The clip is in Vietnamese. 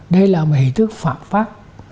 đây là một hình thức phạm pháp